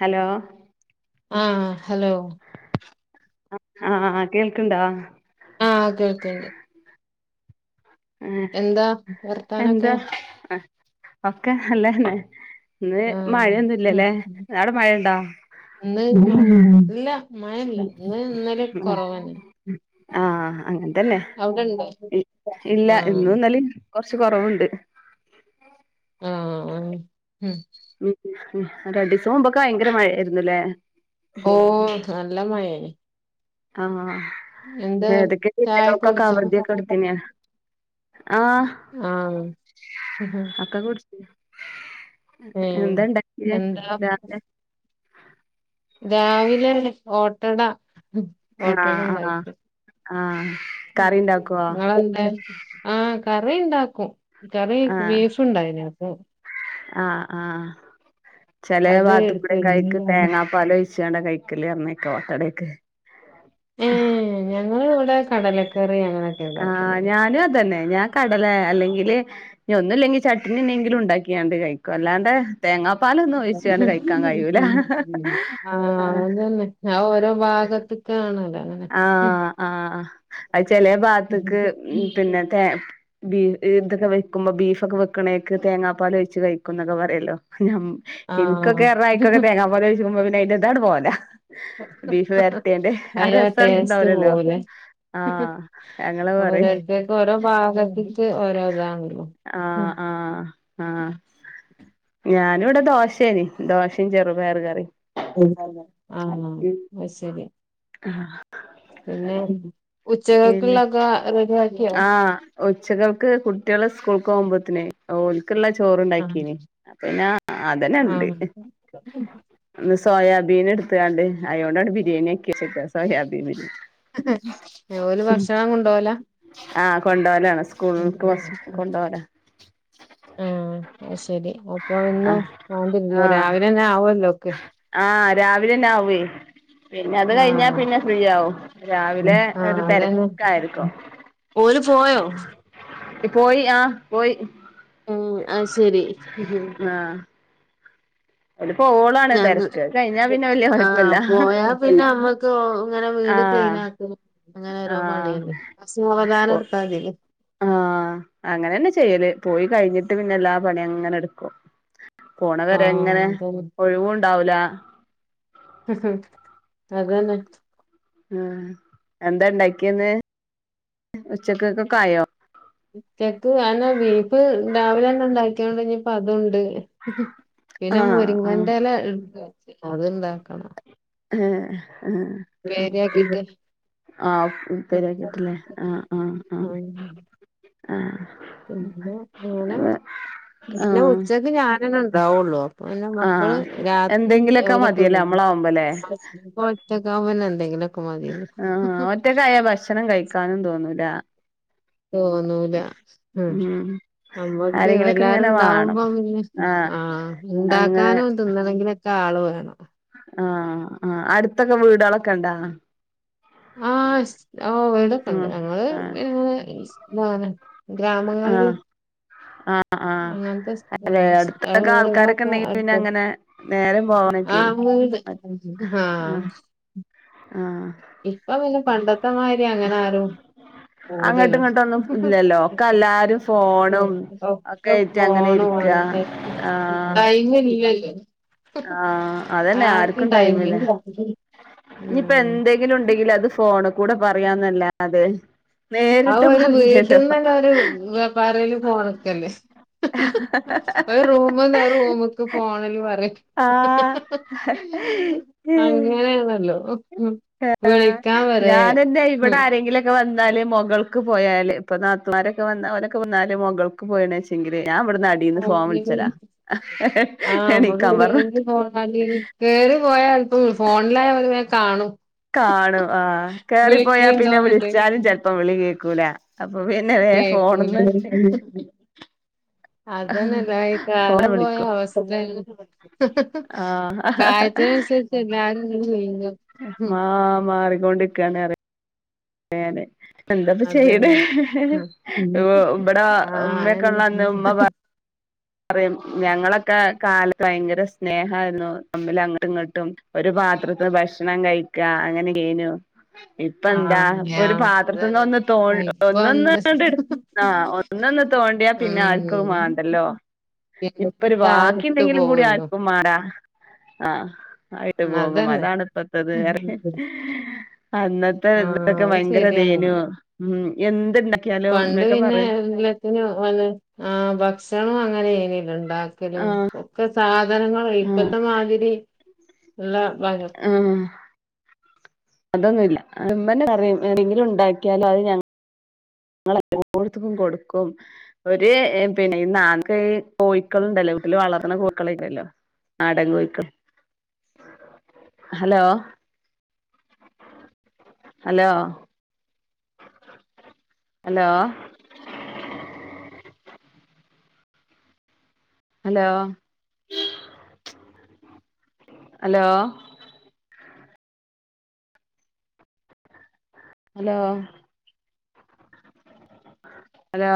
Hello ആഹ് hello ആഹ് ആ കേൾക്ക്ണ്ടോ ആഹ് കേൾക്ക്ണ്ട് ഏ എന്താ വർത്താനൊക്കെ എന്താ അ ഒക്കെ നല്ലന്നെ ഇന്ന് മഴയൊന്നും ആഹ് ഉം ഇല്ലല്ലേ അവിടെ മഴയുണ്ടോ ഇന്ന് ഇല്ല മഴയില്ല ഇന്ന് ഇന്നലെ ഒക്കെ കൊറവന്നെ ആഹ് അങ്ങൻത്തന്നെ അവിടെണ്ടോ ഇല്ല ആഹ് ഇന്നും ഇന്നലിം കുറച്ച് കുറവുണ്ട് ആഹ് ഉം രണ്ട് ദിവസം മുമ്പൊക്കെ ഭയങ്കര മഴയായിരുന്നില്ലേ. ഓ നല്ല മഴയേനി ആഹ് ഏതൊക്കെ ചായൊക്കെ ജില്ലകൾകൊക്കെ കുടിച്ചോ അവധി ഒക്കെ കൊടുത്തീനി ആഹ് ആഹ് ഒക്കെ കുടി ഏഹ് എന്താ ഉണ്ടാക്കിയെ എന്താ രാവിലെ രാവിലെ ഓട്ടട ആഹ് ഓട്ടട ആഹ് ഇണ്ടാക്കി ആഹ് കറി ഇണ്ടാക്കോ നിങ്ങളെന്താ ആഹ് കറി ഉണ്ടാക്കും. കറി ആഹ് ബീഫ് ഉണ്ടായ്‌നി അതും ആഹ് ആഹ് ചെല അത് എടുത്ത് വാത്ത്ക്കൂടെ അയ്ക് വെച്ചിട്ട് തേങ്ങാ പാല് ഒ ച്ചാണ്ട് കൈക്കല് പറഞ്ഞേക്ക ഓട്ടടേക്ക് ഏഹ് ഞങ്ങൾ ഇവിടെ കടലക്കറി അങ്ങനെ ആഹ് ഞാനും അതന്നെ ഞാൻ കടല അല്ലെങ്കില് ഒന്നും ഇല്ലെങ്കിൽ ചട്ടിനി എങ്കിലും ഉണ്ടാക്കിയാണ്ട് കഴിക്കും അല്ലാണ്ടെ തേങ്ങാ പലൊന്നും ഒഴിച്ച്കാണ്ട് കഴിക്കാൻ കഴിയൂല ആ അഹ് ഓരോ ഭാഗത്തക് ആണല്ലേ ആഹ് ആഹ് ചെല ഭാഗത്ത്ക്ക് പിന്നെ തേ ബീഫ് ഇതൊക്കെ വെക്കുമ്പോ ബീഫൊക്കെ വെക്കണേക്ക് തേങ്ങാപ്പാൽ വെച്ച് കഴിക്കും എന്നൊക്കെ പറയല്ലോ ഞ ഇക്കൊക്കെ ആഹ് പറഞ്ഞാ അയിക്കൊക്കെ തേങ്ങാ പാല് ഒഴിച്ചുമ്പോ പിന്നെ അതിന്റെ ഇതട് പോവലാ ബീഫ് വരട്ടിഎയ്ന്റെ അ അയിനാ ടേസ്റ്റ് ഇണ്ടാവൂലല്ലോ പോവൂലേ ആഹ് ഞങ്ങള് അത് പറയും തൊക്കെ ഓരോ ഭാഗത്ത്ക്ക് ഓരോ ഇതാണല്ലോ ആഹ് ആഹ് ആഹ് ഞാന് ഇവിടെ ദോശയേനി ദോശയും ചെറുപയർ കറി ആണ് ആഹ് അത് ശരി ആഹ് പിന്നെ പിന്നെ ഉച്ചകേക്കുള്ളൊക്കെ റെഡി ആക്കിയോ ആഹ് ഉച്ചകേക്ക് കുട്ടികള് സ്കൂൾക്ക് പോകുമ്പോത്തിനേ ഓൽക്കുള്ള ചോറ് ആഹ് ഉണ്ടാക്കീനി അപ്പം പിന്നെ അതന്നെ ഇണ്ട് ആഹ് ഇന്ന് സോയാബീൻ എടുത്തുകാണ്ട് അയോണ്ടാട് ബിരിയാണി ആക്കി വെച്ചക്കാ സോയാബീൻ ബിരിയാ ഓല് ഭക്ഷണം കൊണ്ട് പോകലാ ആഹ് കൊണ്ടോവലാണ് സ്കൂള്ക്ക് കൊണ്ട്പോവലാണ് ആഹ് അത്ശരി അപ്പൊ എന്നും ആഹ് വാണ്ട്യേരുല്ലേ ആഹ് രാവിലെന്നെ ആവൊല്ലോ ഒക്കെ. ആഹ് രാവിലെന്നെ ആവ്വേ. പിന്നെ അത് കഴിഞ്ഞാ ആഹ് പിന്നെ ഫ്രീ ആവും രാവിലെ ആഹ് ഒരു അതന്നെ തെരക്കായിരിക്കും. ഓല് പോയോ? പോയി ആഹ് പോയി. ഉം അത് ശരി. ആഹ് ഓല് പോവോളാണ് ഞങ് തിരക്ക് അത് കഴിഞ്ഞാ പിന്നെ വല്യ ആഹ് കൊഴപ്പല്ല പോയാ പിന്നെമ്മ ക്കോ ഇങ്ങനെ വീട് ക്ലീൻ ആഹ് ആക്കലും അങ്ങനെ ഓരോ ആഹ് പണിയെന്നെ. ആഹ് പോ സാവധാനം ഇടുത്താ മതിലെ. ആഹ് അങ്ങനെന്നെ ചെയ്യല്. പോയി കഴിഞ്ഞിട്ട് പിന്നെ എല്ലാ പണിയങ്ങനെ ഇട്ക്കും. പോണ വരെ ങ്ങനെ ആഹ് അതന്നെ ഒഴിവുംണ്ടാവൂല. അതന്നെ. ഹ്മ് എന്താ ഇണ്ടാക്ക്യേന്ന് ഉച്ചക്കെക്കെക്കായോ? ഉച്ചക്ക് അതന്നെ ബീഫ് രാവിലെന്നെ ഇണ്ടാക്ക്യോണ്ട് ഇഞ് പ്പ അതൂണ്ട്. പിന്നെ ആഹ് ആഹ് മുരിങ്ങന്റെല ഇട്ത്ത് [unintelligible] അത് ഇണ്ടാക്കണം. ഏഹ്. ഏഹ് പ്പേര്യാക്കീട്ട്. ആഹ് ഉ ഉപ്പേര്യാക്കീട്ട് ല്ലേ ആഹ് ആഹ് ആഹ്. ആഹ്. പിന്ന അങ്ങനെ ആഹ് പിന്നെ ആഹ് ഉച്ചക്ക് ഞാ നെന്നെ ണ്ടാവൊള്ളു അപ്പം പിന്നെ മക്കള് ആഹ് രാത്രി എന്തെങ്കിലൊക്കെ ഓലൊക്കെ മതിയല്ലേ വെരും. നമ്മളാവുമ്പല്ലേ [unintelligible] ഒറ്റക്കാവുമ്പോ പിന്നെ എന്തെങ്കിലൊക്കെ മത്യല്ലോ. ക്ഷണം കഴിക്കാനും തോന്നൂല. തോന്നൂല ഉം. നമ്മക്ക് ആരെങ്കിലൊക്കെ എല്ലാരും ഇങ്ങനെ വാണം ഇണ്ടാവുമ്പം പിന്നെ ആഹ് അങ്ങനെ ഇണ്ടാക്കാനും തിന്നണെങ്കിലൊ ക്കാള് വേണം. ആഹ് ആഹ്. അടുത്തൊക്കെ വീടാളൊക്കെണ്ടോ? ആഹ് സ് ഓഹ് വീടൊക്കെണ്ട് ഉം ഞങ്ങള് ആഹ് [unintelligible] ഇതാണ്. ഗ്രാമങ്ങളില്. ആഹ് ആഹ് ആഹ് അങ്ങൻത്ത സ്ഥല അല്ലെ [unintelligible] അഹ് അടുത്തൊക്കെ ആൾക്കാരൊക്കെ വീട്കളൊക്കെ ഇണ്ടെങ്കി പിന്നെ അട്ത്തട് അങ്ങനെ നേരം പോവാനൊക്കെ ആഹ് വീട് ആഹ് ആഹ് ഇപ്പ പിന്നെ പണ്ടത്ത മായിരി അങ്ങനാരും അങ്ങട്ടും ഇങ്ങട്ടൊന്നും ഇല്ലല്ലോ. ഒക്കെ എല്ലാരും ഉം. ഫോണും ഒ ഒക്കെ ക്കേയ്റ്റ് അങ്ങനെ ഫോണും ഇരിക്കാ അങ്ങനെ ആഹ്. ടൈം ഇല്ലല്ലോ ആഹ് അതന്നെ ആർക്കും ടൈമില്ല. ഇഞ്പ്പ ഉം എന്തെ ങ്കിലും ഉണ്ടെങ്കില് അത് ഫോണ് കൂടെ പറയാന്നല്ലാതെ, അഹ് ഒരു വീട്ടിന്നന്നെ ഒരു വ പറയില് ഫോണ്ക്കല്ലേ. ഒരു റൂമ്ന്ന് ഒരു റൂമ്ക്ക്‌ ഫോണില് പറ്യാ. ആഹ്. അങ്ങനെയാണല്ലോ ആഹ് വിളിക്കാൻ വരെ ഞാനന്നെ ഇവടാരെങ്കിലൊ ക്കെ വന്നാല് മൊകൾക്ക് പോയാല് ഇപ്പൊ നാത്തൂന്മാരൊക്കെ വന്ന അവരൊക്കെ വന്നാല് മൊകൾക്ക് പോയ്ണേച്ചെങ്കില് ഞാൻ ഇവട്ന്ന് അട് ടീന്ന് ഫോൺ വിള്ച്ചലാ. ഫോണില്. എണി [unintelligible] കേറി പോയാ [unintelligible] ഫോണിലായാ ഓല് വേം കാണും. കാണും ആഹ്. കേറിപ്പോയാ പിന്നെ വിളിക്ക്ണ്ടാവുന്നുണ്ട് വിളിച്ചാലും ചെലപ്പം വിളി കേക്കൂല. അപ്പൊ പിന്നെ വേം കേക്കൂല ഫോണ്ന്ന്, അതന്നെല്ല ഈ ഫോണ് കാലം പോയ വിളിക്കും അവസ്ത്തേണ് ആഹ് കാലത്തിനനുസരിച്ച് എല്ലാരും ഇങ്ങനെ ചെയ്യുന്ന മാ മാറികൊണ്ടിരിക്കാണ് പറയും അങ്ങനെ എന്താപ്പ ചെയ്യലെ അതന്നെ ഉം ഇവിട ആഹ് അയെന്നെ ഉമ്മേക്കൊള്ളകൊണ്ട് ഉമ്മ പറയ്‌ പറയും ഞങ്ങളൊക്കെ കാലത്ത് ഭയങ്കര സ്നേഹാ യിരുന്നു തമ്മില് അങ്ങട്ടും ഇങ്ങട്ടും ഒരു പാത്രത്തിന്ന് ഭക്ഷണം കഴിക്കാ അങ്ങനെയ്നു ഇപ്പെന്താ ആഹ് ഇപ്പൊ ഞാ ഒരു പാത്രത്തിന്ന് അതന്നെ ഒന്ന് തോ ഇപ്പൊ ഒന്ന് ഒന്ന് എന്താ അങ്ങട്ട് എട് ആഹ് ഒന്നൊന്ന് തോണ്ടിയാ പിന്നെ ആർക്കും അത് ഉം വേണ്ടല്ലോ ഇപ്പൊരു പിന്നെതാ ഇട്ട് ബാക്കിയുണ്ടെങ്കിലും കൂടി പോവല്ലോ ആർക്കും മാറാ ആഹ് ആയിട്ട് ഉം പോകും അതന്നെ അതാണ് ഇപ്പത്തത് പറയ് അന്നത്തെ ഇതൊക്ക ആഹ് അത് ഭയങ്കര ശരിയാണ് തേനു ഉം എന്ത്‌ണ്ട പണ്ട് പിന്നെ വ്ലെ പിന് വന്ന് ആഹ് ഭക്ഷണം അങ്ങനെ യ്നല്ലൊ ഉണ്ടാക്കലും ആഹ് ഒക്ക സാധനങ്ങലും ആഹ് ഇപ്പത്ത മാതിരി ഉള്ള ഭ- ആഹ് അതൊന്നുല്ല ഇമ്മന്നെ പറയും ഏതെങ്കിലും ഉണ്ടാക്കിയാല് അത് ഞങ്ങ ഞങ്ങള് എല്ലോട്ത്ത്ക്കും കൊടുക്കും ഒരു പിന്നെ ഈ നാല്ക് കോഴിക്കളുണ്ടല്ലോ വീട്ടില് വളർത്തണ കോഴിക്കളെല്ലല്ലോ നാടൻ കോഴിക്കൾ hello hello hello hello hello hello hello